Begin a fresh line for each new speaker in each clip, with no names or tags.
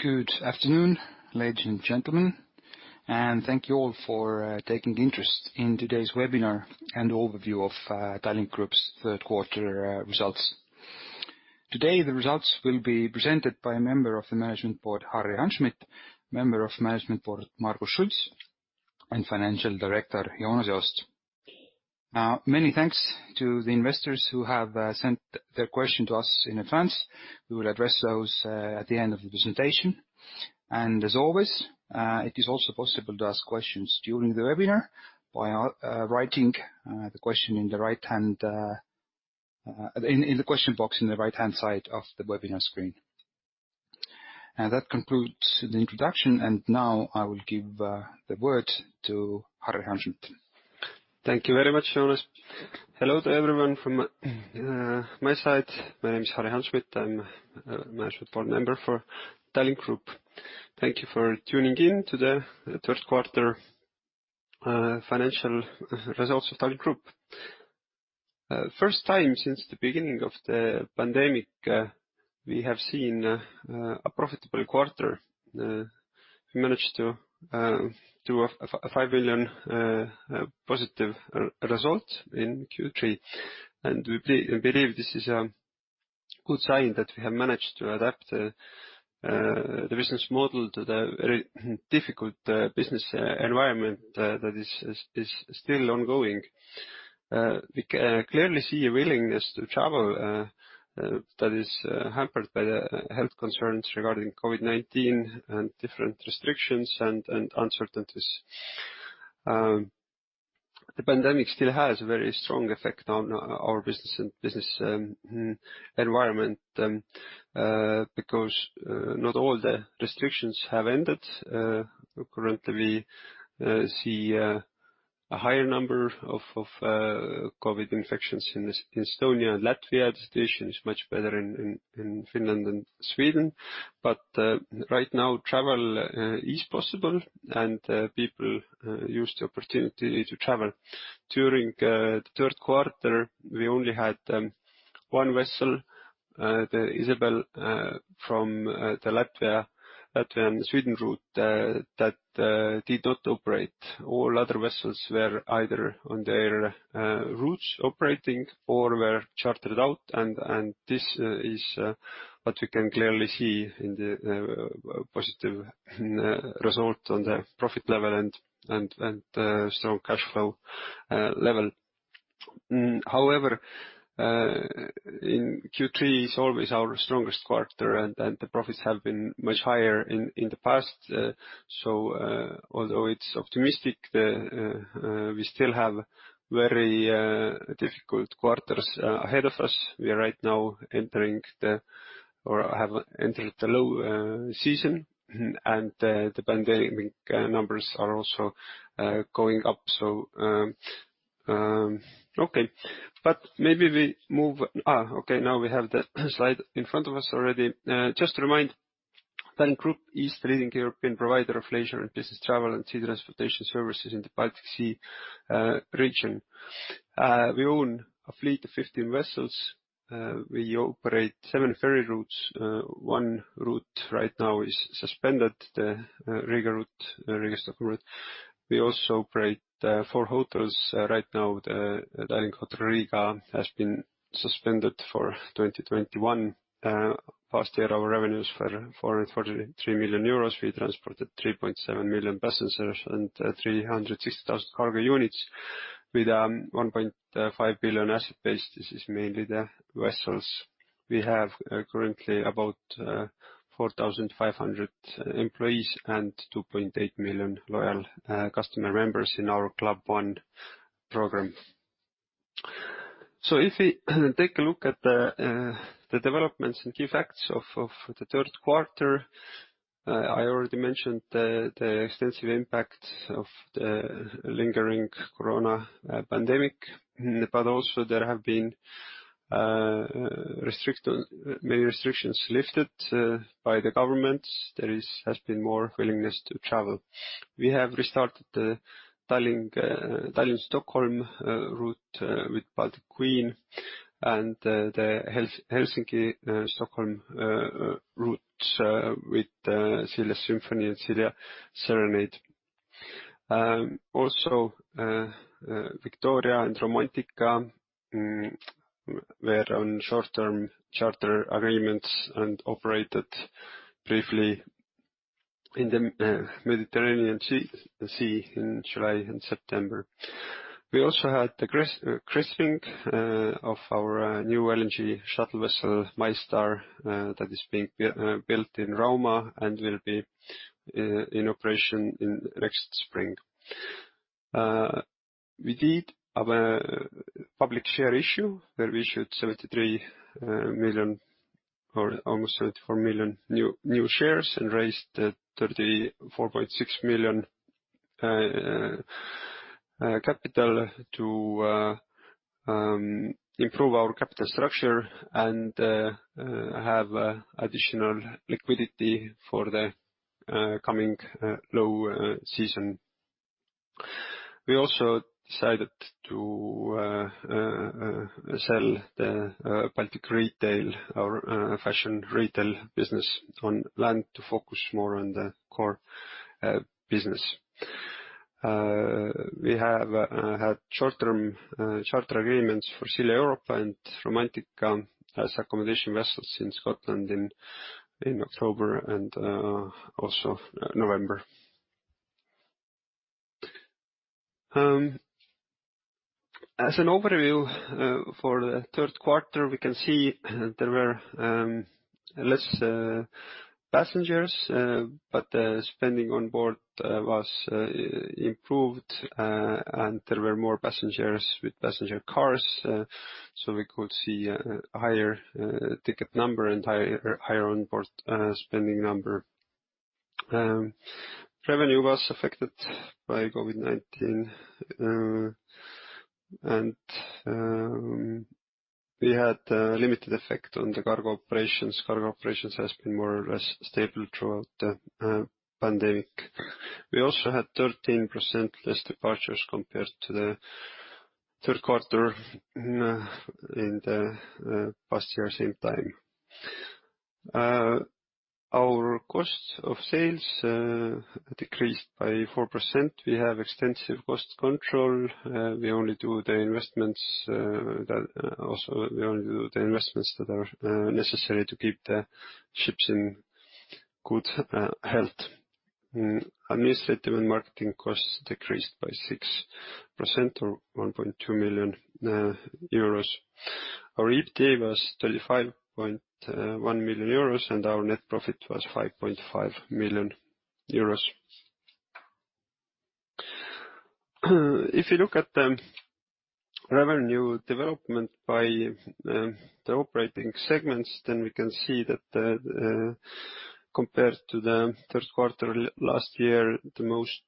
Good afternoon, ladies and gentlemen, and thank you all for taking interest in today's webinar and overview of Tallink Group's third quarter results. Today, the results will be presented by a Member of the Management Board, Harri Hanschmidt, Member of the Management Board, Margus Schults, and Financial Director, Joonas Joost. Many thanks to the investors who have sent their question to us in advance. We will address those at the end of the presentation. As always, it is also possible to ask questions during the webinar by writing the question in the question box in the right-hand side of the webinar screen. That concludes the introduction. Now, I will give the word to Harri Hanschmidt.
Thank you very much, Joonas. Hello to everyone from my side. My name is Harri Hanschmidt. I'm a Management Board member for Tallink Grupp. Thank you for tuning in to the third quarter financial results of Tallink Grupp. First time since the beginning of the pandemic, we have seen a profitable quarter. We managed to do a 5 million positive result in Q3, and we believe this is a good sign that we have managed to adapt the business model to the very difficult business environment that is still ongoing. We clearly see a willingness to travel that is hampered by the health concerns regarding COVID-19 and different restrictions and uncertainties. The pandemic still has a very strong effect on our business and environment, because not all the restrictions have ended. We currently see a higher number of COVID infections in Estonia and Latvia. The situation is much better in Finland and Sweden. Right now, travel is possible and people use the opportunity to travel. During the third quarter, we only had one vessel, the Isabelle, from the Latvia and Sweden route, that did not operate. All other vessels were either on their routes operating or were chartered out. This is what we can clearly see in the positive result on the profit level and strong cash flow level. However, in Q3 is always our strongest quarter, and the profits have been much higher in the past. Although it's optimistic, we still have very difficult quarters ahead of us. We have entered the low season, and the pandemic numbers are also going up. Maybe we move on. Okay, now we have the slide in front of us already. Just to remind, Tallink Grupp is a leading European provider of leisure and business travel and sea transportation services in the Baltic Sea region. We own a fleet of 15 vessels. We operate seven ferry routes. One route right now is suspended, the Riga route, the Riga-Stockholm route. We also operate four hotels. Right now, the Tallink Hotel Riga has been suspended for 2021. Past year, our revenues were 443 million euros. We transported 3.7 million passengers and 360,000 cargo units with 1.5 billion asset base. This is mainly the vessels. We have currently about 4,500 employees and 2.8 million loyal customer members in our Club One program. If we take a look at the developments and key facts of the third quarter, I already mentioned the extensive impact of the lingering corona pandemic, but also there have been many restrictions lifted by the governments. There has been more willingness to travel. We have restarted the Tallink Stockholm route with Baltic Queen and the Helsinki-Stockholm route with Silja Symphony and Silja Serenade. Also, Victoria and Romantika were on short-term charter agreements and operated briefly in the Mediterranean Sea in July and September. We also had the christening of our new LNG shuttle vessel, MyStar, that is being built in Rauma and will be in operation in next spring. We did our public share issue where we issued 73 million or almost four million new shares and raised 34.6 million capital to improve our capital structure and have additional liquidity for the coming low season. We also decided to sell the Baltic Retail, our fashion retail business on land to focus more on the core business. We have had short-term charter agreements for Silja Europa and Romantika as accommodation vessels in Scotland in October and also November. As an overview, for the third quarter, we can see there were less passengers, but spending on board was improved, and there were more passengers with passenger cars, so we could see a higher ticket number and higher on-board spending number. Revenue was affected by COVID-19, and we had a limited effect on the cargo operations. Cargo operations has been more or less stable throughout the pandemic. We also had 13% less departures compared to the third quarter in the past year same time. Our cost of sales decreased by 4%. We have extensive cost control. We only do the investments that are necessary to keep the ships in good health. Administrative and marketing costs decreased by 6% or 1.2 million euros. Our EBITDA was 35.1 million euros, and our net profit was 5.5 million euros. If you look at the revenue development by the operating segments, then we can see that compared to the third quarter last year, the most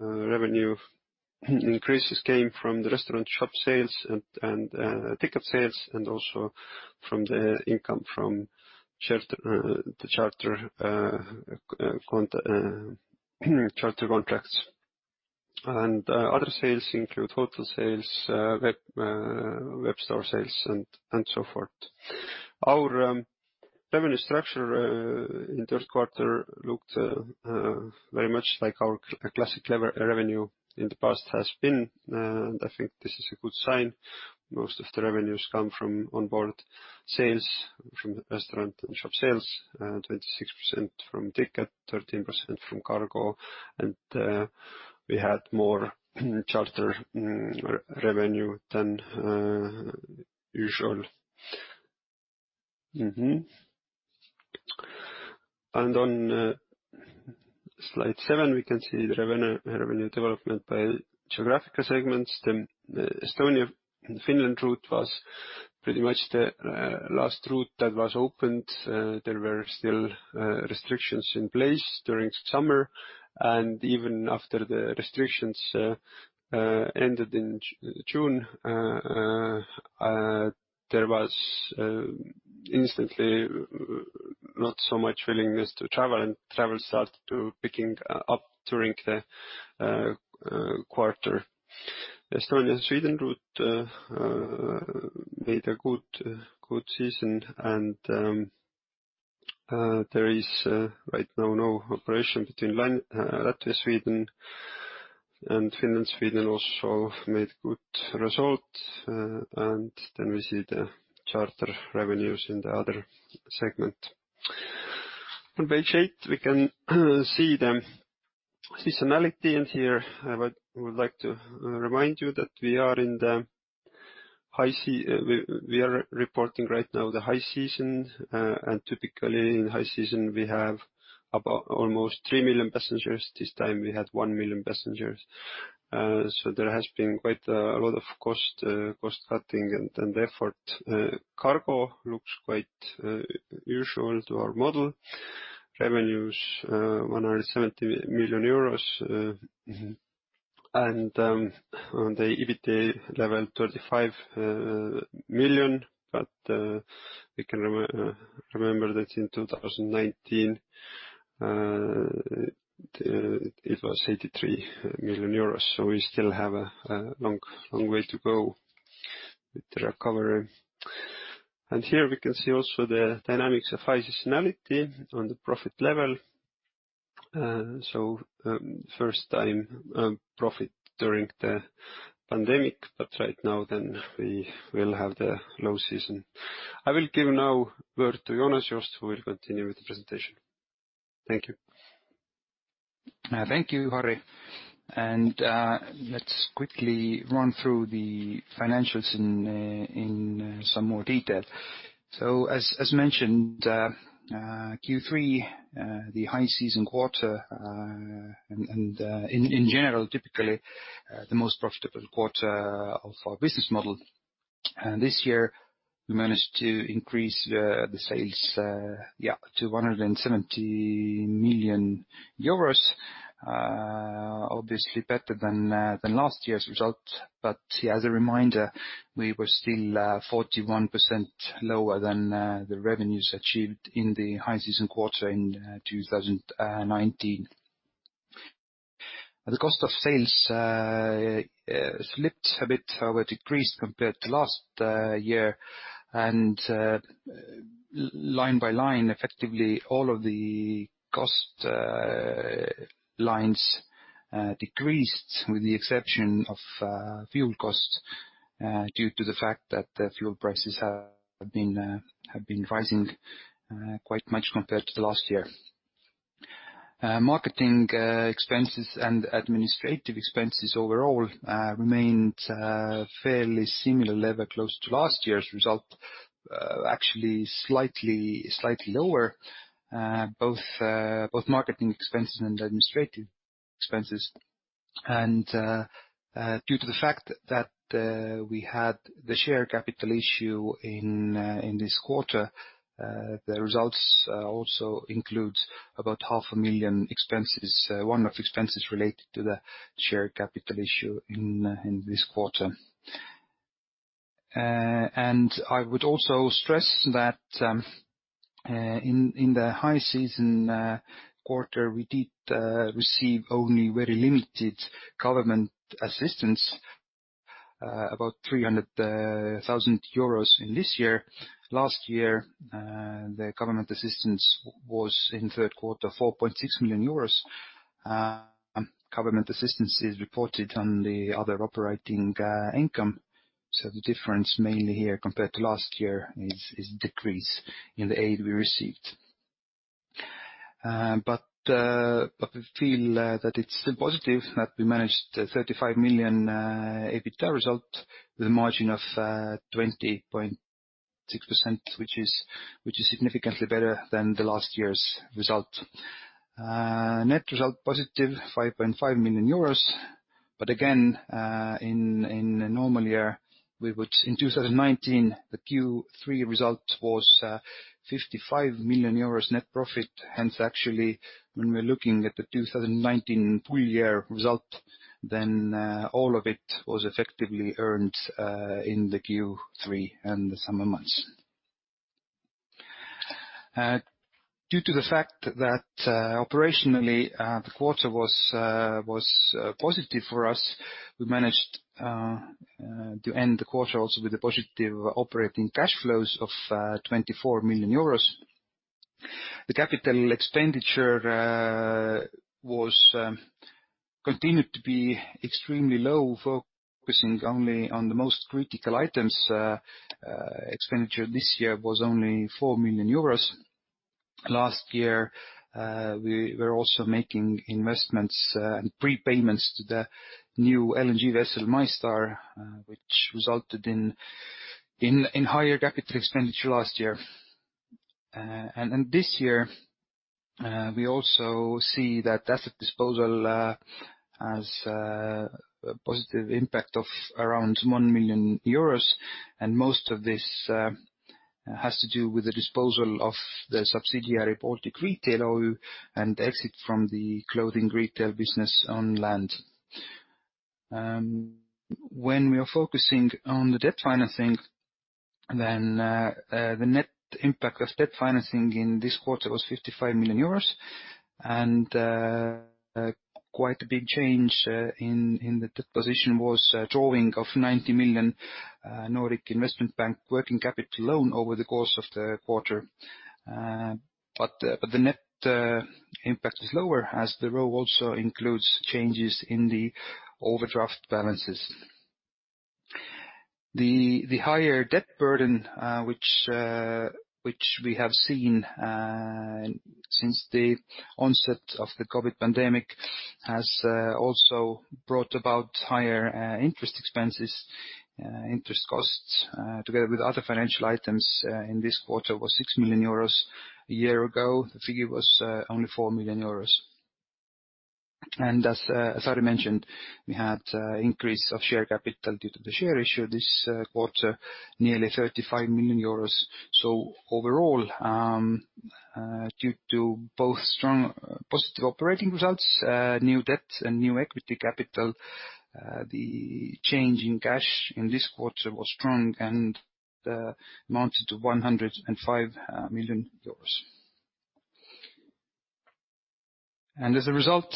revenue increases came from the restaurant and shop sales and ticket sales, and also from the income from charter contracts. Other sales include hotel sales, web store sales and so forth. Our revenue structure in the third quarter looked very much like our classic level revenue in the past has been, and I think this is a good sign. Most of the revenues come from onboard sales, from restaurant and shop sales, 26% from ticket, 13% from cargo, and we had more charter revenue than usual. On slide seven, we can see the revenue development by geographical segments. The Estonia-Finland route was pretty much the last route that was opened. There were still restrictions in place during summer, and even after the restrictions ended in June, there was instantly not so much willingness to travel, and travel started to pick up during the quarter. The Estonia-Sweden route made a good season and there is right now no operation between Latvia-Sweden, and Finland-Sweden also made good results. We see the charter revenues in the other segment. On page eight, we can see the seasonality in here. I would like to remind you that we are reporting right now the high season, and typically in high season, we have about almost three million passengers. This time we had one million passengers. So, there has been quite a lot of cost cutting and effort. Cargo looks quite usual to our model. Revenues, 170 million euros, and on the EBITDA level, 35 million. But we can remember that in 2019, it was 83 million euros. So, we still have a long way to go with the recovery. Here we can see also the dynamics of high seasonality on the profit level. First time profit during the pandemic. Right now we will have the low season. I will give now word to Joonas Joost who will continue with the presentation. Thank you.
Thank you, Harri. Let's quickly run through the financials in some more detail. As mentioned, Q3, the high season quarter, in general, typically the most profitable quarter of our business model. This year we managed to increase the sales to 170 million euros. Obviously better than last year's result. As a reminder, we were still 41% lower than the revenues achieved in the high season quarter in 2019. The cost of sales slipped a bit or decreased compared to last year, and line by line, effectively, all of the cost lines decreased with the exception of fuel costs due to the fact that the fuel prices have been rising quite much compared to last year. Marketing expenses and administrative expenses overall remained fairly similar level close to last year's result, actually slightly lower both marketing expenses and administrative expenses. Due to the fact that we had the share capital issue in this quarter, the results also include about 500,000 expenses one-off expenses related to the share capital issue in this quarter. I would also stress that in the high season quarter, we did receive only very limited government assistance, about 300,000 euros in this year. Last year, the government assistance was in third quarter, 4.6 million euros. Government assistance is reported on the other operating income, so the difference mainly here compared to last year is decrease in the aid we received. We feel that it's still positive that we managed 35 million EBITDA result with a margin of 20.6% which is significantly better than the last year's result. Net result positive 5.5 million euros, but again, in a normal year, in 2019 the Q3 result was 55 million euros net profit, hence actually when we're looking at the 2019 full year result, then all of it was effectively earned in the Q3 and the summer months. Due to the fact that operationally the quarter was positive for us, we managed to end the quarter also with the positive operating cash flows of 24 million euros. The capital expenditure was continued to be extremely low focusing only on the most critical items. Expenditure this year was only 4 million euros. Last year, we were also making investments and prepayments to the new LNG vessel, MyStar, which resulted in higher capital expenditure last year. This year, we also see that asset disposal has a positive impact of around 1 million euros and most of this has to do with the disposal of the subsidiary Baltic Retail OÜ and exit from the clothing retail business on land. When we are focusing on the debt financing, the net impact of debt financing in this quarter was 55 million euros and quite a big change in the debt position was drawing of 90 million Nordic Investment Bank working capital loan over the course of the quarter. The net impact is lower as the row also includes changes in the overdraft balances. The higher debt burden, which we have seen since the onset of the COVID pandemic has also brought about higher interest expenses. Interest costs together with other financial items in this quarter was 6 million euros. A year ago, the figure was only 4 million euros. As Harri mentioned, we had increase of share capital due to the share issue this quarter, nearly 35 million euros. Overall, due to both strong positive operating results, new debt and new equity capital, the change in cash in this quarter was strong and amounted to EUR 105 million. As a result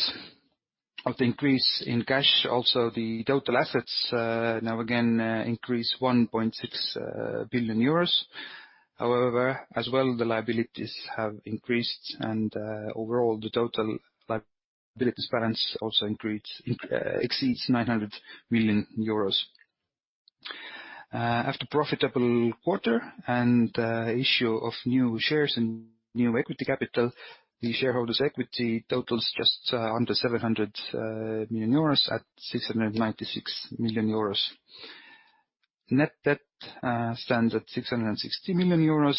of the increase in cash, also the total assets now again increase 1.6 billion euros. However, as well, the liabilities have increased and overall the total liabilities balance also exceeds 900 million euros. After profitable quarter and issue of new shares and new equity capital, the shareholders' equity totals just under 700 million euros at 696 million euros. Net debt stands at 660 million euros.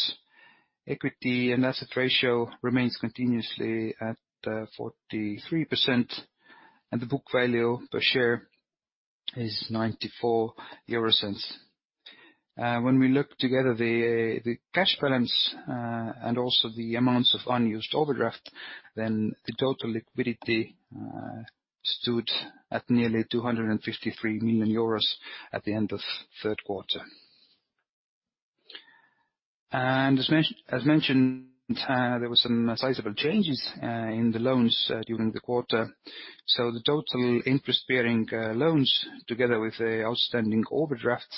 Equity and asset ratio remains continuously at 43%, and the book value per share is 0.94 EUR. When we look at the cash balance and also the amounts of unused overdraft, then the total liquidity stood at nearly 253 million euros at the end of third quarter. As mentioned, there were some sizable changes in the loans during the quarter. The total interest-bearing loans together with the outstanding overdraft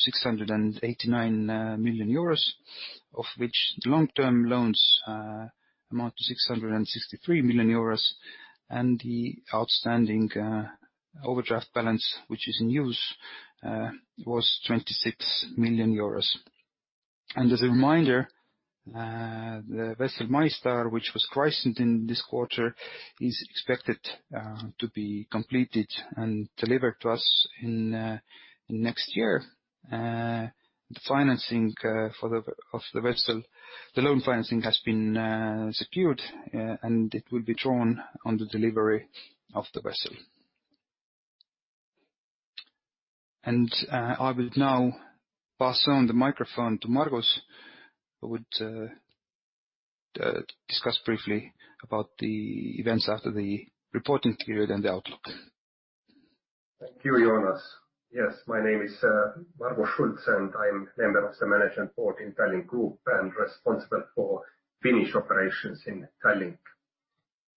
amount 689 million euros, of which the long-term loans amount to 663 million euros and the outstanding overdraft balance, which is in use, was 26 million euros. As a reminder, the vessel MyStar, which was christened in this quarter, is expected to be completed and delivered to us in next year. The financing for the vessel, the loan financing has been secured, and it will be drawn on the delivery of the vessel. I will now pass on the microphone to Margus, who would discuss briefly about the events after the reporting period and the outlook.
Thank you, Joonas Joost. Yes. My name is Margus Schults, and I'm member of the management board in AS Tallink Grupp and responsible for Finnish operations in Tallink.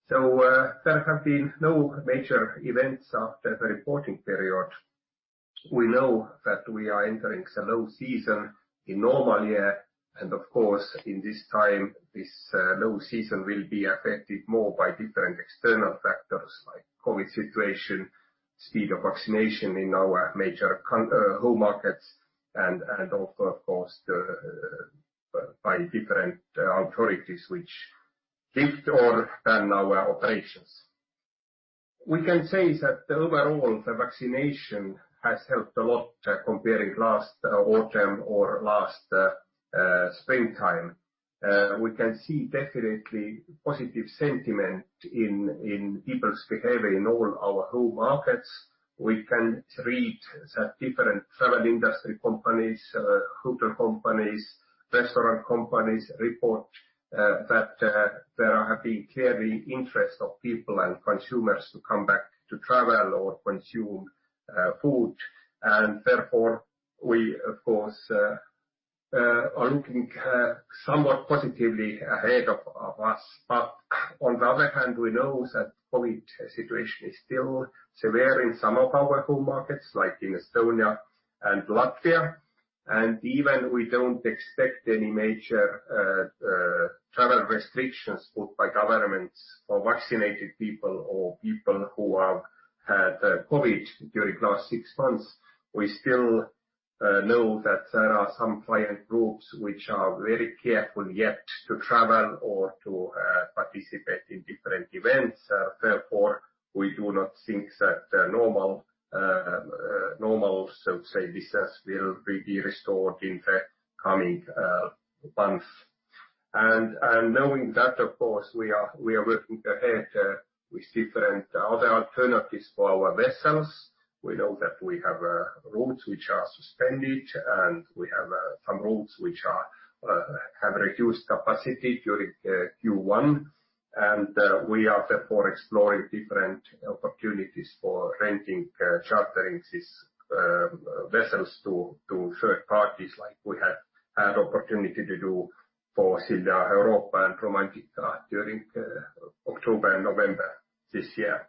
There have been no major events after the reporting period. We know that we are entering the low season in normal year, and of course, in this time, this low season will be affected more by different external factors like COVID situation, speed of vaccination in our major home markets and also of course by different authorities which lift or ban our operations. We can say that overall, the vaccination has helped a lot comparing last autumn or last springtime. We can see definitely positive sentiment in people's behavior in all our home markets. We can read that different travel industry companies, hotel companies, restaurant companies report that there has been clear interest of people and consumers to come back to travel or consume food and therefore we of course are looking somewhat positively ahead of us. On the other hand, we know that COVID-19 situation is still severe in some of our home markets like in Estonia and Latvia, and even we don't expect any major travel restrictions put by governments for vaccinated people or people who have had COVID-19 during last six months. We still know that there are some client groups which are very careful yet to travel or to participate in different events, therefore, we do not think that normal, so to say, business will be restored in the coming months. Knowing that of course, we are working ahead with different other alternatives for our vessels. We know that we have routes which are suspended, and we have some routes which have reduced capacity during Q1. We are therefore exploring different opportunities for renting, chartering these vessels to third parties like we had opportunity to do for Silja Europa and Romantika during October and November this year.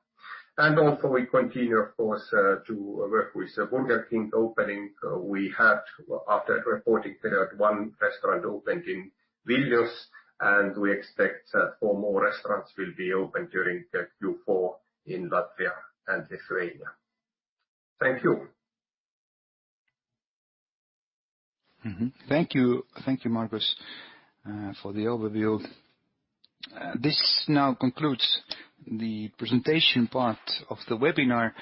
Also we continue of course to work with the Burger King opening. We had after the reporting period one restaurant opened in Vilnius, and we expect that four more restaurants will be opened during the Q4 in Latvia and Lithuania. Thank you.
Thank you. Thank you, Margus, for the overview. This now concludes the presentation part of the webinar,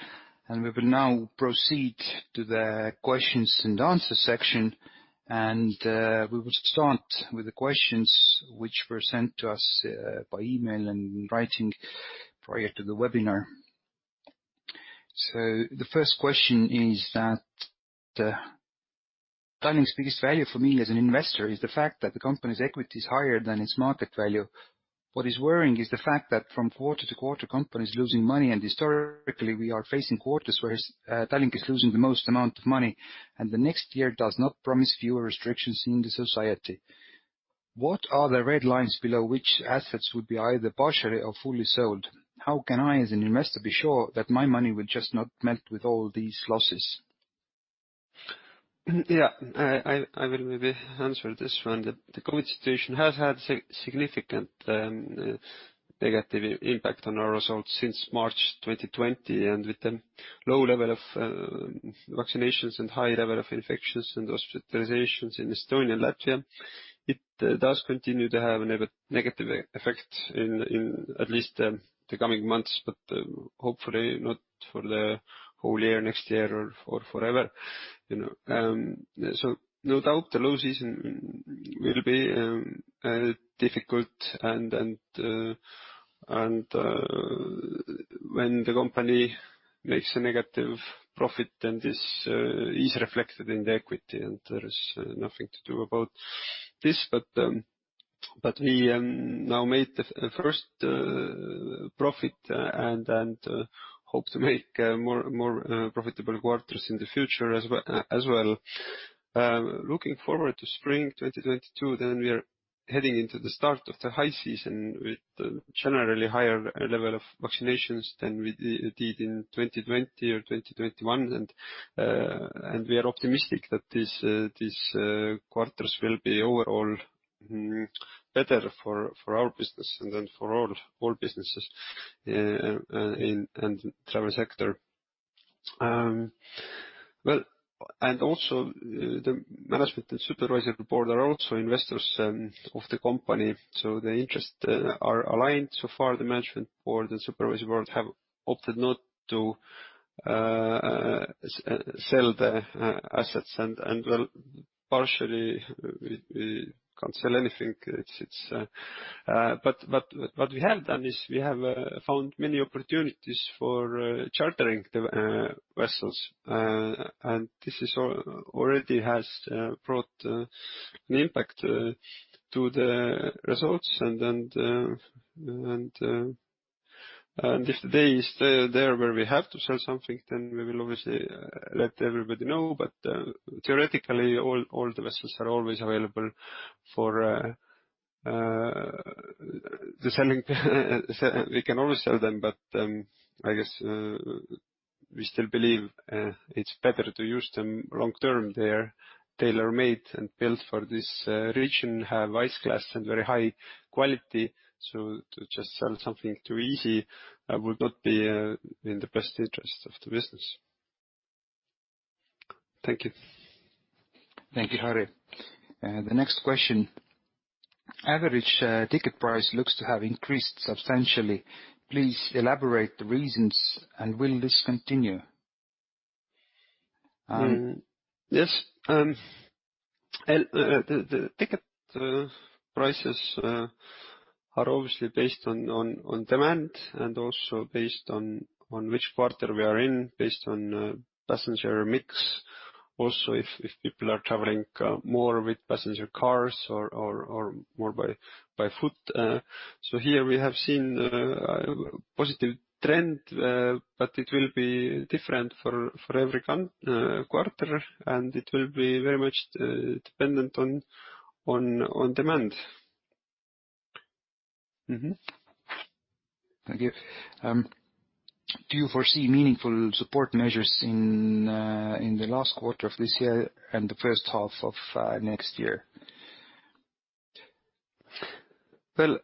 and we will now proceed to the questions-and-answer section. We will start with the questions which were sent to us by email and in writing prior to the webinar. The first question is that Tallink's biggest value for me as an investor is the fact that the company's equity is higher than its market value. What is worrying is the fact that from quarter-to-quarter, company is losing money and historically, we are facing quarters whereas Tallink is losing the most amount of money, and the next year does not promise fewer restrictions in the society. What are the red lines below which assets would be either partially or fully sold? How can I as an investor be sure that my money will just not melt with all these losses?
Yeah. I will maybe answer this one. The COVID situation has had significant negative impact on our results since March 2020, and with the low level of vaccinations and high level of infections and hospitalizations in Estonia and Latvia, it does continue to have a negative effect in at least the coming months. Hopefully not for the whole year next year or for forever, you know. No doubt the low season will be difficult and when the company makes a negative profit, then this is reflected in the equity and there is nothing to do about this. We now made the first profit and hope to make more profitable quarters in the future as well. Looking forward to spring 2022, we are heading into the start of the high season with generally higher level of vaccinations than we did in 2020 or 2021. We are optimistic that these quarters will be overall better for our business and then for all businesses in the travel sector. The Management Board and Supervisory Board are also investors of the company, so their interests are aligned. So far the Management Board and Supervisory Board have opted not to sell the assets. Partially we can't sell anything. What we have done is we have found many opportunities for chartering the vessels. This has already brought an impact to the results and if the day is there where we have to sell something, then we will obviously let everybody know. Theoretically, all the vessels are always available for the selling. We can always sell them but I guess we still believe it's better to use them long-term. They're tailor-made and built for this region, have ice class and very high quality. So, to just sell something too easy would not be in the best interest of the business. Thank you.
Thank you, Harri. The next question. The average ticket price looks to have increased substantially. Please elaborate the reasons and will this continue?
Yes. Well, the ticket prices are obviously based on demand and also based on which quarter we are in, based on passenger mix, also if people are traveling more with passenger cars or more by foot. Here we have seen a positive trend, but it will be different for every quarter, and it will be very much dependent on demand.
Mm-hmm. Thank you. Do you foresee meaningful support measures in the last quarter of this year and the first half of next year?
Well,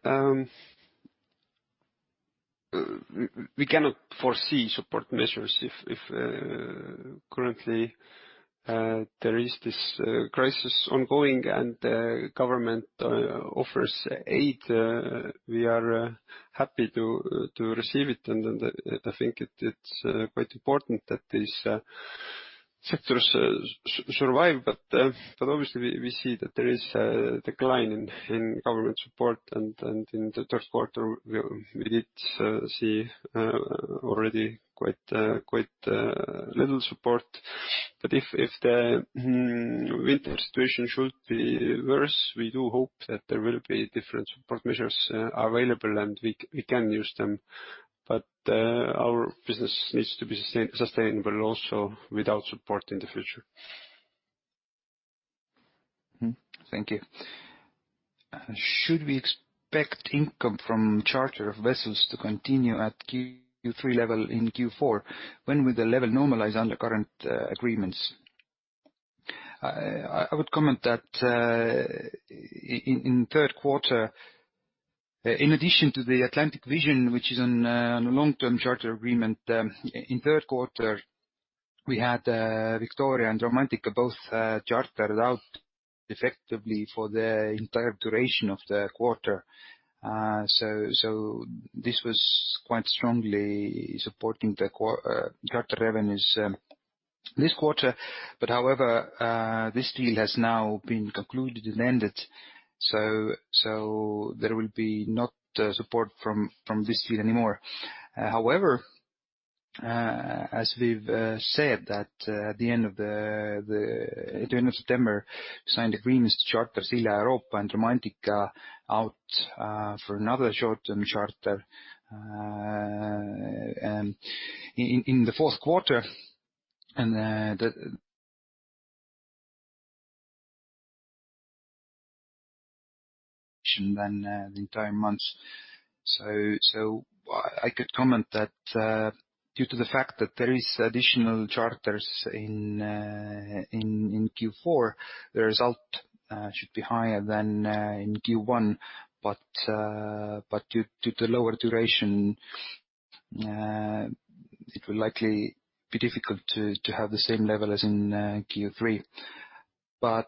we cannot foresee support measures if currently there is this crisis ongoing and the government offers aid, we are happy to receive it. I think it's quite important that these sectors survive. Obviously we see that there is a decline in government support and in the third quarter we did see already quite little support. If the winter situation should be worse, we do hope that there will be different support measures available and we can use them. Our business needs to be sustainable also without support in the future.
Thank you. Should we expect income from charter of vessels to continue at Q3 level in Q4? When will the level normalize under current agreements?
I would comment that in third quarter, in addition to the Atlantic Vision, which is on a long-term charter agreement, in third quarter, we had Victoria and Romantika both chartered out effectively for the entire duration of the quarter. So, this was quite strongly supporting the charter revenues this quarter. However, this deal has now been concluded and ended. There will not be support from this field anymore. However, as we've said that at the end of September, we signed agreements to charter Silja Europa and Romantika out for another short-term charter in the fourth quarter. I could comment that due to the fact that there is additional charters in Q4, the result should be higher than in Q1. Due to the lower duration, it will likely be difficult to have the same level as in Q3. As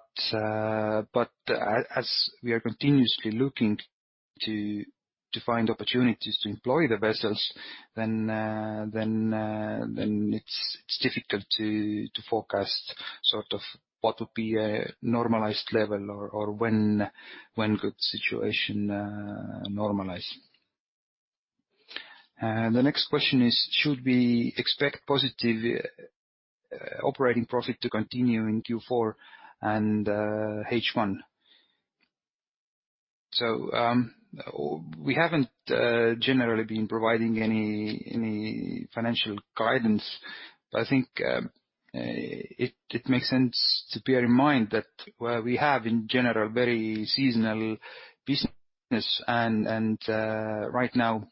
we are continuously looking to find opportunities to employ the vessels, it's difficult to forecast what would be a normalized level or when the situation could normalize.
The next question is, should we expect positive operating profit to continue in Q4 and H1?
We haven't generally been providing any financial guidance. I think it makes sense to bear in mind that we have in general very seasonal business. Right now,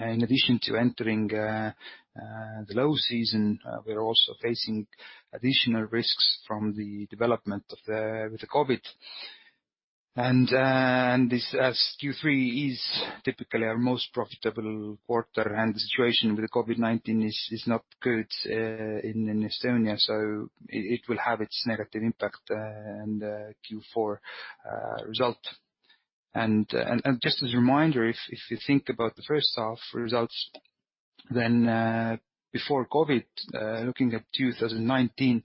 in addition to entering the low season, we are also facing additional risks from the development of the COVID. This, as Q3 is typically our most profitable quarter, and the situation with the COVID-19 is not good in Estonia, so it will have its negative impact in the Q4 result. Just as a reminder, if you think about the first half results then, before COVID, looking at 2019,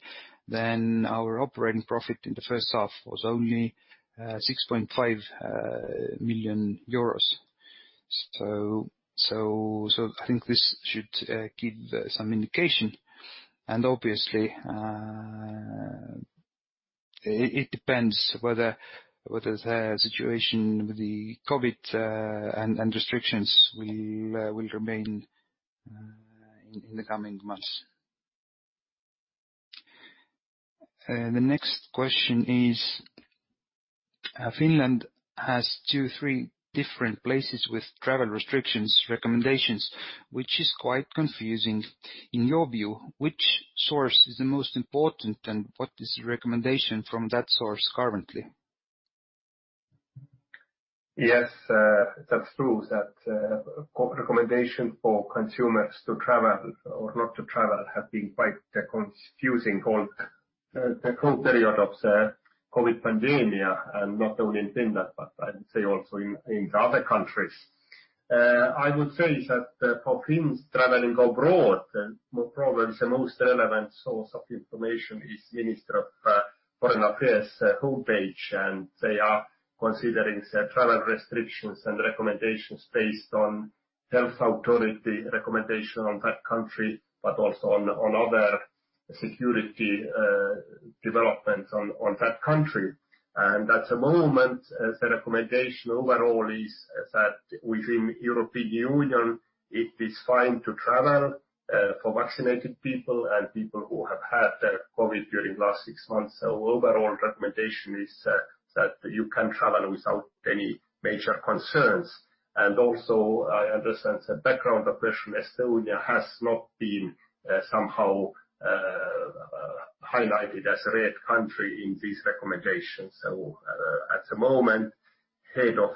then our operating profit in the first half was only 6.5 million euros. I think this should give some indication. Obviously, it depends whether the situation with the COVID and restrictions will remain in the coming months.
The next question is, Finland has two or three different places with travel restrictions recommendations, which is quite confusing. In your view, which source is the most important, and what is the recommendation from that source currently?
Yes, that's true that recommendation for consumers to travel or not to travel have been quite confusing all the whole period of COVID-19 pandemic, and not only in Finland, but I would say also in the other countries. I would say that for Finns traveling abroad, more problems, the most relevant source of information is Ministry for Foreign Affairs homepage. They are considering the travel restrictions and recommendations based on health authority recommendation on that country, but also on other security developments on that country. At the moment, the recommendation overall is that within European Union, it is fine to travel for vaccinated people and people who have had COVID-19 during last six months. Overall recommendation is that you can travel without any major concerns. I understand the background of the question. Estonia has not been somehow highlighted as a red country in these recommendations. At the moment, head of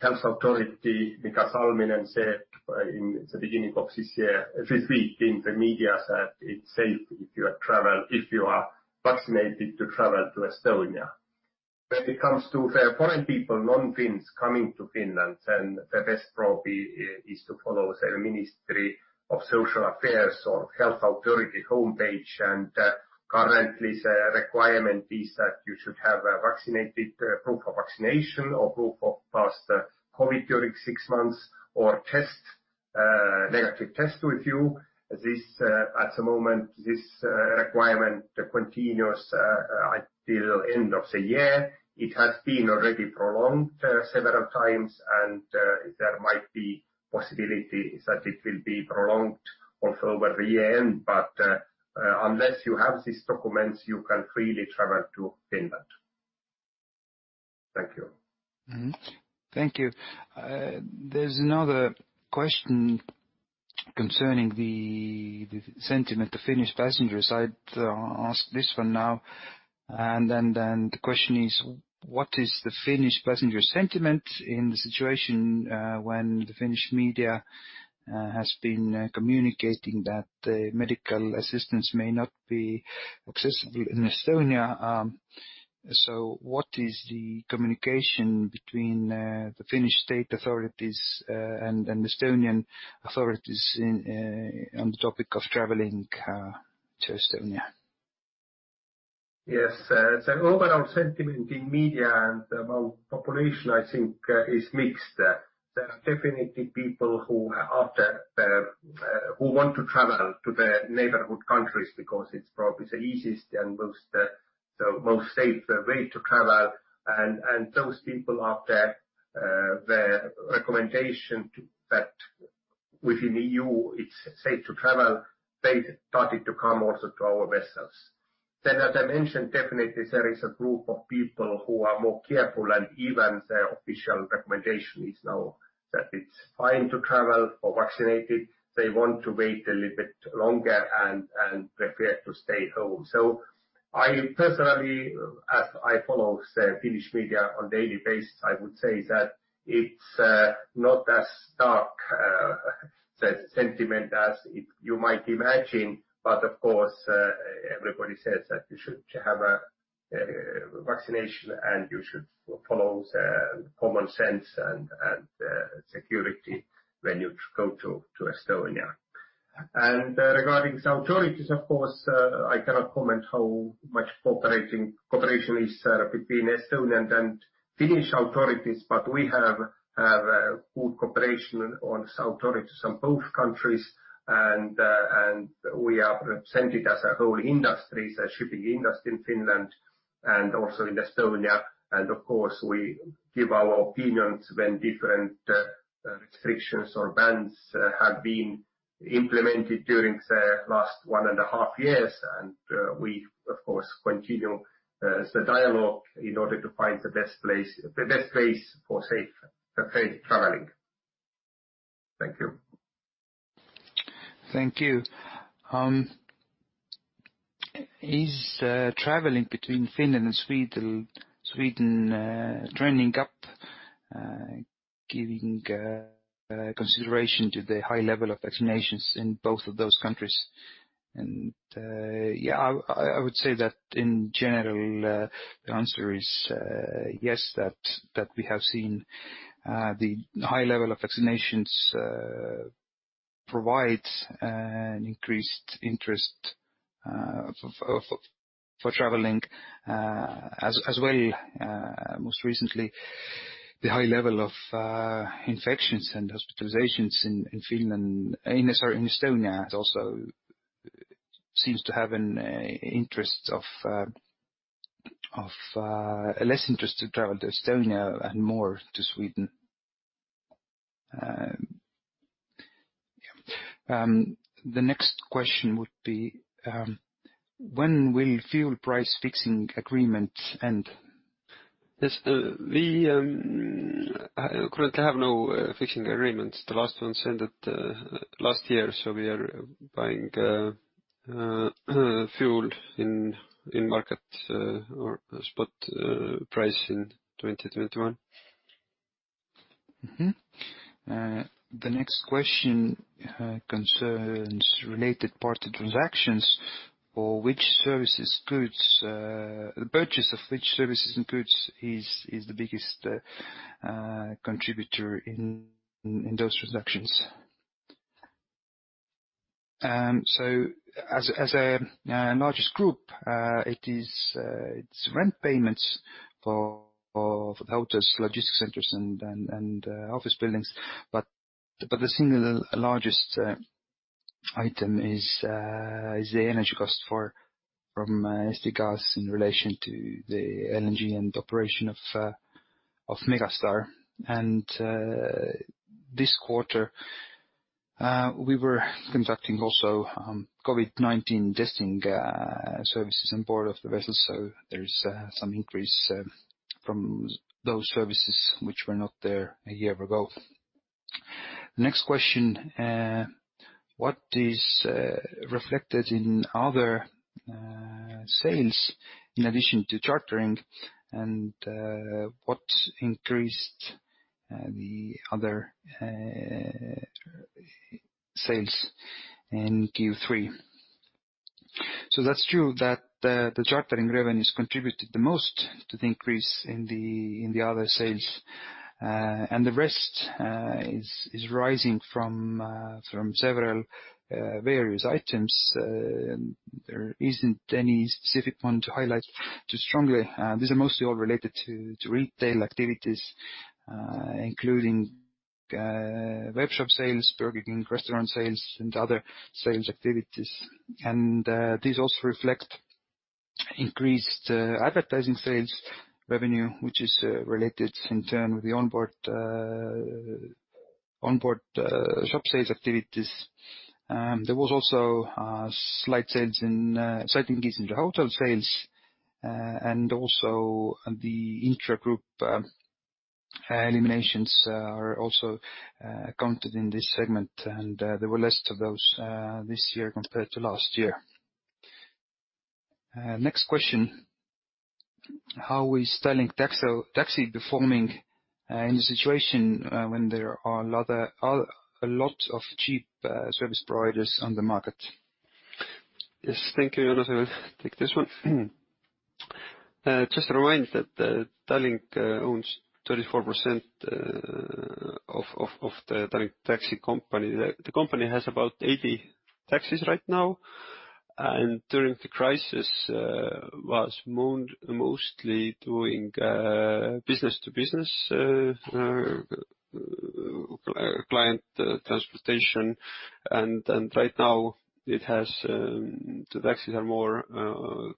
health authority, Mika Salminen, said in the beginning of this year this week in the media it's safe if you are vaccinated to travel to Estonia. When it comes to the foreign people, non-Finns, coming to Finland, the best probably is to follow the Ministry of Social Affairs and Health authority homepage. Currently the requirement is that you should have proof of vaccination or proof of past COVID-19 during six months or negative test with you. At the moment, this requirement continues until end of the year. It has been already prolonged several times, and there might be possibilities that it will be prolonged also over the year-end. Unless you have these documents, you can freely travel to Finland. Thank you.
Mm-hmm. Thank you. There's another question concerning the sentiment of Finnish passengers. I'd ask this one now, and then the question is, what is the Finnish passenger sentiment in the situation when the Finnish media has been communicating that the medical assistance may not be accessible in Estonia? What is the communication between the Finnish state authorities and Estonian authorities on the topic of traveling to Estonia?
Yes. The overall sentiment in media and among population, I think, is mixed. There are definitely people who want to travel to the neighboring countries because it's probably the easiest and most safe way to travel. Those people, after the recommendation that within EU it's safe to travel, they started to come also to our vessels. As I mentioned, definitely there is a group of people who are more careful. Even the official recommendation is now that it's fine to travel for vaccinated, they want to wait a little bit longer and prefer to stay home. I personally, as I follow the Finnish media on daily basis, I would say that it's not as dark sentiment as you might imagine. Of course, everybody says that you should have a vaccination, and you should follow the common sense and security when you go to Estonia. Regarding authorities, of course, I cannot comment how much cooperation is between Estonian and Finnish authorities, but we have good cooperation with authorities in both countries and we are represented as a whole industry, as a shipping industry in Finland and also in Estonia. Of course, we give our opinions when different restrictions or bans have been implemented during the last one and a half years. We, of course, continue the dialogue in order to find the best place for safe traveling. Thank you.
Thank you. Is traveling between Finland and Sweden trending up, giving consideration to the high level of vaccinations in both of those countries?
Yeah, I would say that in general, the answer is yes, that we have seen the high level of vaccinations provide an increased interest for traveling as well. Most recently, the high level of infections and hospitalizations in Finland and sorry, in Estonia also seems to have an interest of a less interest to travel to Estonia and more to Sweden.
The next question would be, when will fuel price fixing agreement end?
Yes. We currently have no fixing agreements. The last one ended last year, so we are buying fuel in market or spot price in 2021.
The next question concerns related party transactions, or which services, goods, the purchase of which services and goods is the biggest contributor in those reductions.
As the largest group, it's rent payments for the hotels, logistics centers and office buildings. The single largest item is the energy cost from Eesti Gaas in relation to the LNG and operation of Megastar. This quarter, we were conducting also COVID-19 testing services on board of the vessels. There is some increase from those services which were not there a year ago.
Next question, what is reflected in other sales in addition to chartering, and what increased the other sales in Q3?
That's true that the chartering revenues contributed the most to the increase in the other sales. The rest is rising from several various items. There isn't any specific one to highlight too strongly. These are mostly all related to retail activities, including webshop sales, Burger King restaurant sales, and other sales activities. These also reflect increased advertising sales revenue, which is related in turn with the onboard shop sales activities. There was also a slight increase in the hotel sales. The intragroup eliminations are also counted in this segment. There were less of those this year compared to last year.
Next question, how is Tallink Takso performing in the situation when there are a lot of cheap service providers on the market?
Yes. Thank you, Joonas. I will take this one. Just to remind that Tallink owns 34% of the Tallink Takso company. The company has about 80 taxis right now, and during the crisis was mostly doing business to business client transportation. Right now, the taxis are more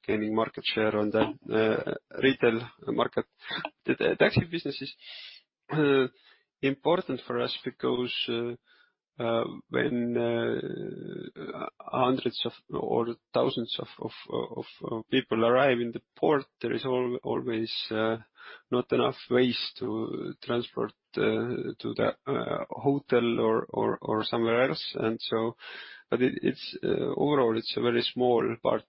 gaining market share on the retail market. The taxi business is important for us because when hundreds or thousands of people arrive in the port, there is always not enough ways to transport to the hotel or somewhere else. Overall it's a very small part.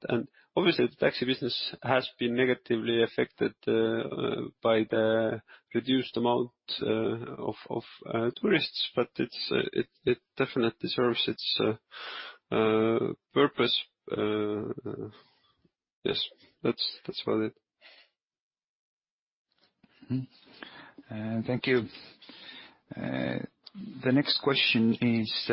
Obviously the taxi business has been negatively affected by the reduced amount of tourists. It definitely serves its purpose. Yes, that's about it.
Thank you. The next question is,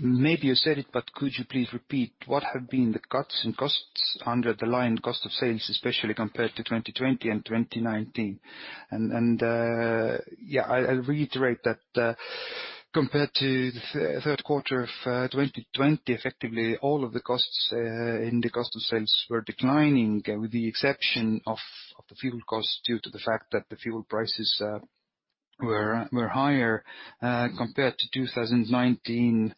maybe you said it, but could you please repeat what have been the cuts in costs under the line cost of sales, especially compared to 2020 and 2019?
Yeah, I'll reiterate that, compared to the third quarter of 2020, effectively all of the costs in the cost of sales were declining, with the exception of the fuel costs due to the fact that the fuel prices were higher, compared to 2019,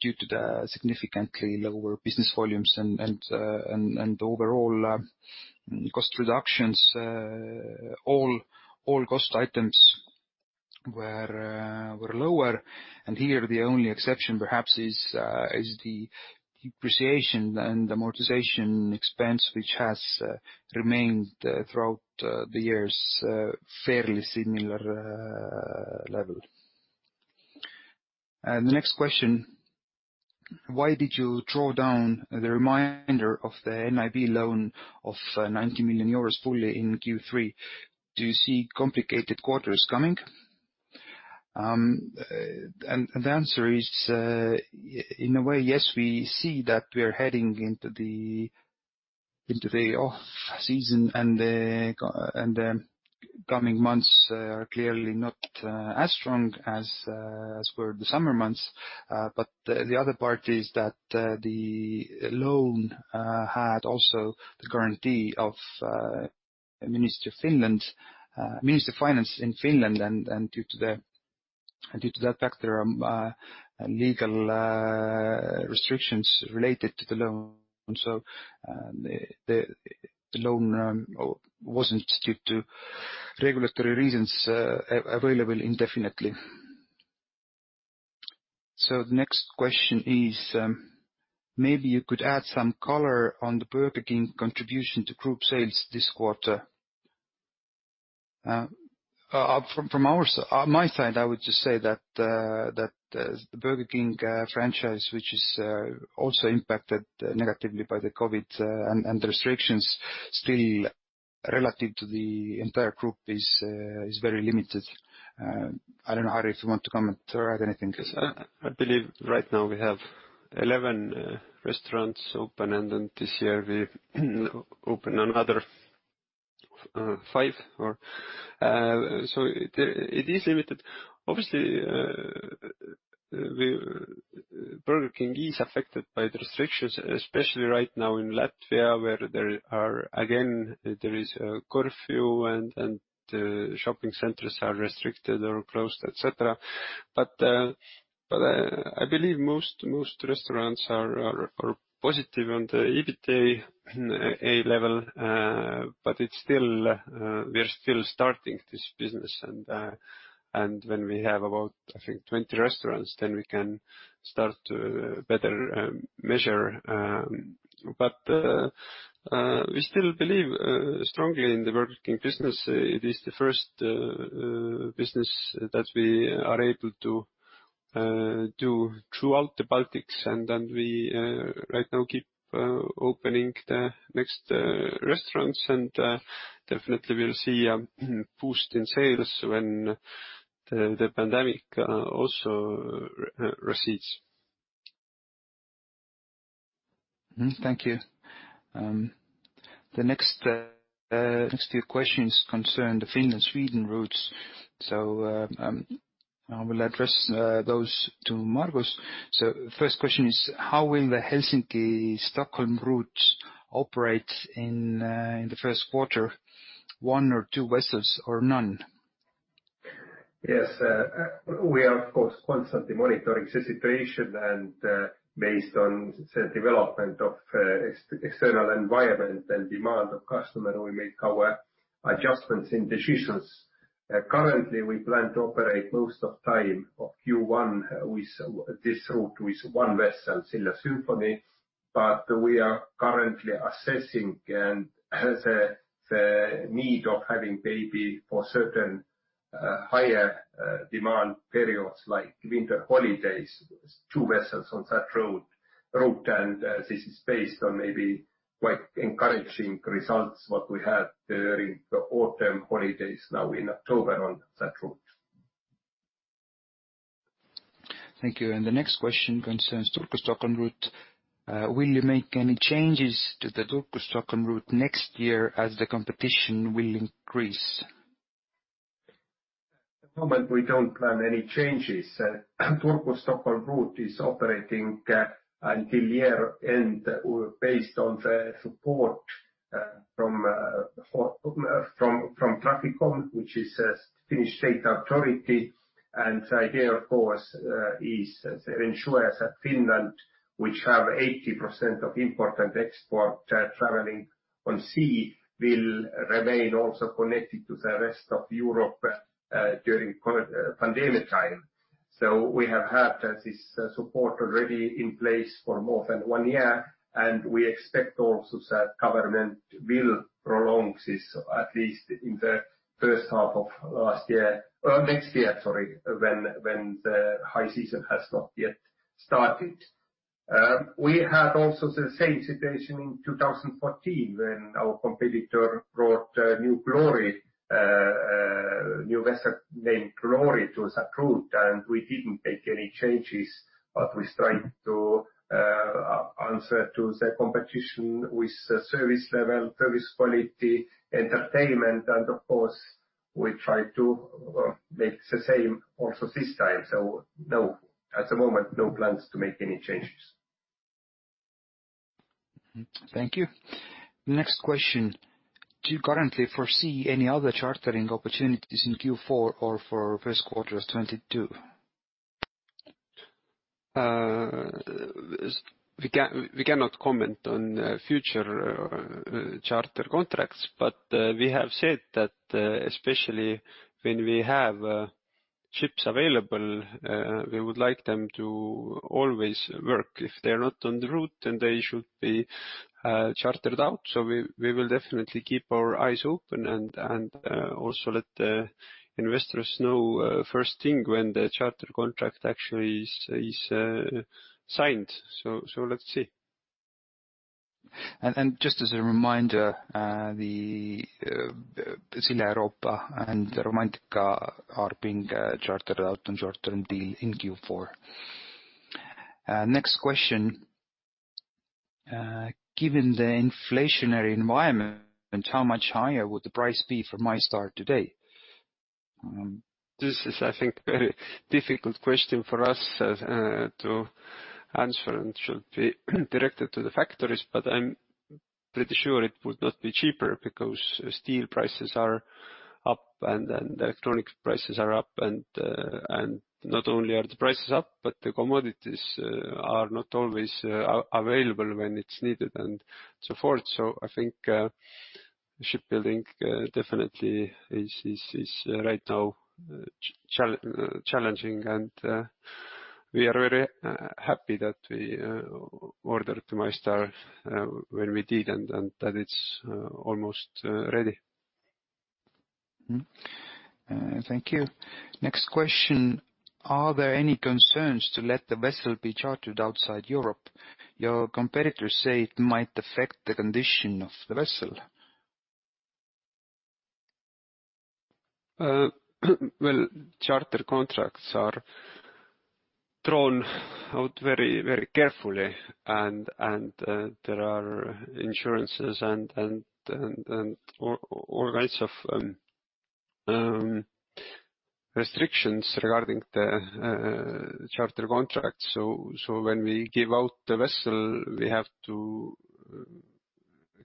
due to the significantly lower business volumes and overall cost reductions, all cost items were lower. Here, the only exception perhaps is the depreciation and amortization expense, which has remained throughout the years fairly similar level.
The next question: why did you draw down the remainder of the NIB loan of 90 million euros fully in Q3? Do you see complicated quarters coming?
The answer is, in a way, yes, we see that we are heading into the off season and the coming months are clearly not as strong as were the summer months. But the other part is that the loan had also the guarantee of the Ministry of Finance in Finland. Due to that factor, legal restrictions related to the loan. The loan wasn't available indefinitely due to regulatory reasons.
The next question is, maybe you could add some color on the Burger King contribution to group sales this quarter? From my side, I would just say that the Burger King franchise, which is also impacted negatively by the COVID and the restrictions, still relatively to the entire group is very limited. I don't know, Harri, if you want to comment or add anything?
Yes. I believe right now we have 11 restaurants open, and then this year we've opened another five. So, it is limited. Obviously, Burger King is affected by the restrictions, especially right now in Latvia, where there is a curfew and shopping centers are restricted or closed, et cetera. I believe most restaurants are positive on the EBITDA level. It's still. We are still starting this business. When we have about 20 restaurants, then we can start to better measure. We still believe strongly in the Burger King business. It is the first business that we are able to do throughout the Baltics. We right now keep opening the next restaurants. Definitely we'll see a boost in sales when the pandemic also recedes.
Thank you. The next few questions concern the Finland-Sweden routes. I will address those to Margus. First question is, how will the Helsinki-Stockholm route operate in the first quarter, one or two vessels or none?
Yes. We are of course constantly monitoring the situation and based on the development of external environment and demand of customer, we make our adjustments and decisions. Currently, we plan to operate most of time of Q1 with this route with one vessel, Silja Symphony. We are currently assessing the need of having maybe for certain higher demand periods like winter holidays, two vessels on that route. This is based on maybe quite encouraging results, what we had during the autumn holidays now in October on that route.
Thank you. The next question concerns the Turku-Stockholm route. Will you make any changes to the Turku-Stockholm route next year as the competition will increase?
At the moment, we don't plan any changes. Turku-Stockholm route is operating until year end. We're based on the support from Traficom, which is a Finnish state authority. The idea, of course, is to ensure that Finland, which have 80% of import and export traveling on sea, will remain also connected to the rest of Europe during pandemic time. We have had this support already in place for more than one year, and we expect also the government will prolong this at least in the first half of last year, next year, sorry, when the high season has not yet started. We had also the same situation in 2014 when our competitor brought new Glory, a new vessel named Glory to that route, and we didn't make any changes, but we started to answer to the competition with the service level, service quality, entertainment, and of course, we try to make the same also this time. No, at the moment, no plans to make any changes.
Thank you. Next question. Do you currently foresee any other chartering opportunities in Q4 or for first quarter of 2022?
We cannot comment on future charter contracts. We have said that, especially when we have ships available, we would like them to always work. If they are not on the route, then they should be chartered out. We will definitely keep our eyes open and also let the investors know first thing when the charter contract actually is signed. Let's see.
Just as a reminder, the Silja Europa and Romantika are being chartered out on short-term deal in Q4. Next question. Given the inflationary environment, how much higher would the price be for MyStar today?
This is, I think, a very difficult question for us to answer and should be directed to the factories, but I'm pretty sure it would not be cheaper because steel prices are up and then the electronics prices are up. Not only are the prices up, but the commodities are not always available when it's needed and so forth. I think shipbuilding definitely is right now challenging. We are very happy that we ordered MyStar when we did and that it's almost ready.
Mm-hmm. Thank you. Next question. Are there any concerns to let the vessel be chartered outside Europe? Your competitors say it might affect the condition of the vessel.
Charter contracts are drawn out very carefully and there are insurances and all kinds of restrictions regarding the charter contract. When we give out the vessel, we have to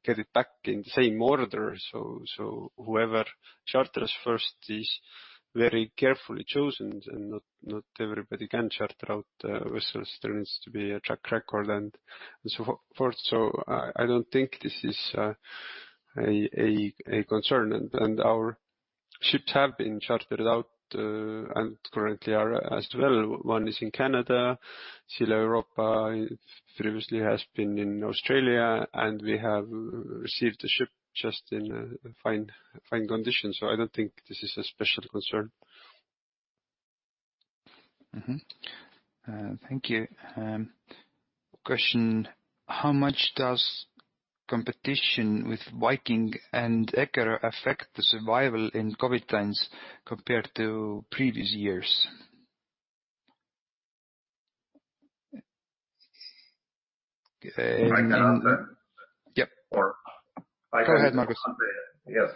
get it back in the same order. Whoever charters first is very carefully chosen, and not everybody can charter out vessels. There needs to be a track record and so forth. I don't think this is a concern. Our ships have been chartered out and currently are as well. One is in Canada. Silja Europa previously has been in Australia, and we have received the ship just in fine condition. I don't think this is a special concern.
Thank you. Question, how much does competition with Viking and Eckerö affect the survival in COVID times compared to previous years?
Uh.
I can answer.
Yep.
Or.
Go ahead, Margus.
Yes.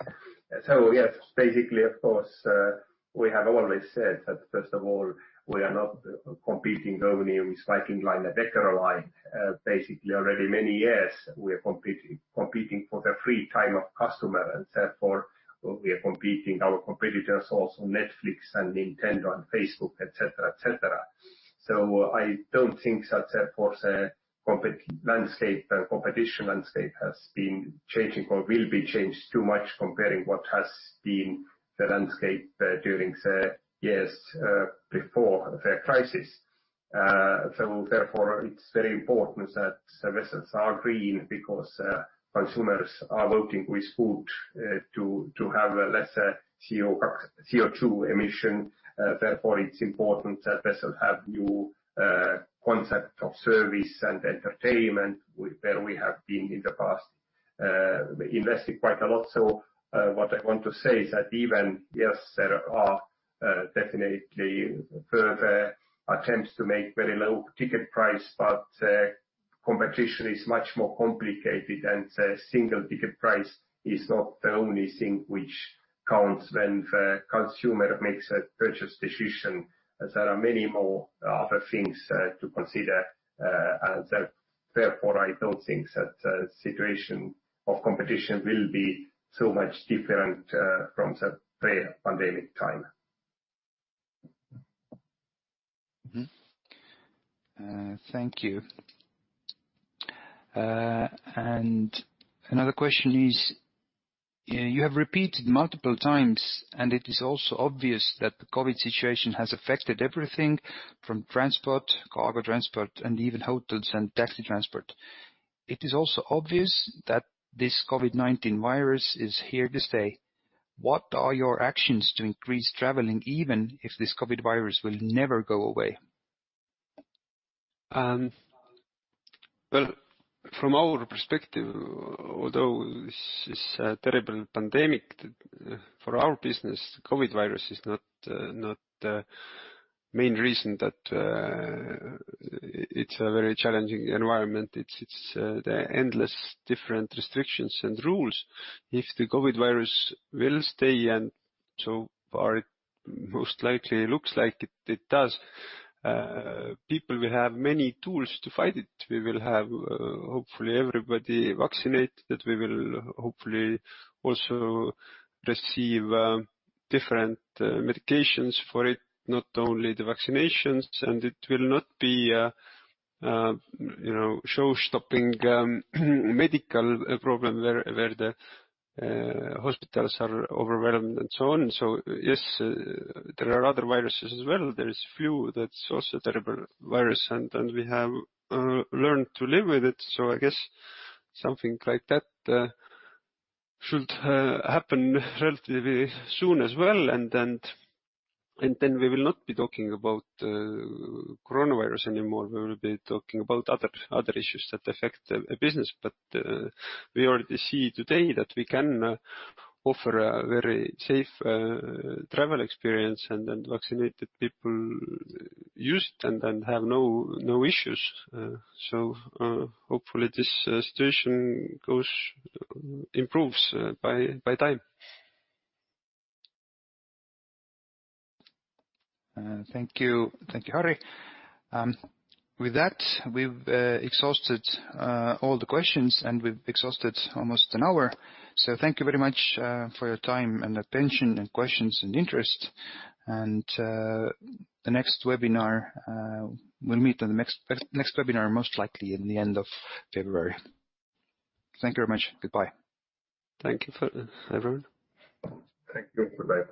Yes, basically, of course, we have always said that, first of all, we are not competing only with Viking Line and Eckerö Line. Basically, already many years, we are competing for the free time of customer, and therefore we are competing our competitors also Netflix and Nintendo and Facebook, et cetera. I don't think that therefore the competition landscape has been changing or will be changed too much comparing what has been the landscape during the years before the crisis. Therefore, it's very important that the vessels are green because consumers are voting with their feet to have a lesser CO2 emission. Therefore, it's important that vessels have new concept of service and entertainment with where we have been in the past investing quite a lot. What I want to say is that even, yes, there are definitely further attempts to make very low ticket price, but competition is much more complicated. The single ticket price is not the only thing which counts when the consumer makes a purchase decision. There are many more other things to consider. Therefore, I don't think that situation of competition will be so much different from the pre-pandemic time.
Thank you. Another question is, you have repeated multiple times, and it is also obvious that the COVID situation has affected everything from transport, cargo transport, and even hotels and taxi transport. It is also obvious that this COVID-19 virus is here to stay. What are your actions to increase traveling, even if this COVID virus will never go away?
Well, from our perspective, although this is a terrible pandemic, for our business, COVID virus is not the main reason that it's a very challenging environment. It's the endless different restrictions and rules. If the COVID virus will stay, and so far, it most likely looks like it does, people will have many tools to fight it. We will have, hopefully everybody vaccinated. We will hopefully also receive different medications for it, not only the vaccinations. It will not be, you know, show-stopping medical problem where the hospitals are overwhelmed and so on. Yes, there are other viruses as well. There is flu that's also a terrible virus, and we have learned to live with it. I guess something like that should happen relatively soon as well. We will not be talking about coronavirus anymore. We will be talking about other issues that affect business. We already see today that we can offer a very safe travel experience and vaccinated people use it and have no issues. Hopefully this situation improves by time.
Thank you. Thank you, Harri. With that, we've exhausted all the questions, and we've exhausted almost an hour. Thank you very much for your time and attention and questions and interest. The next webinar, we'll meet on the next webinar, most likely in the end of February. Thank you very much. Goodbye.
Thank you, everyone.
Thank you. Bye-bye.